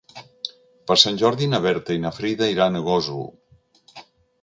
Per Sant Jordi na Berta i na Frida iran a Gósol.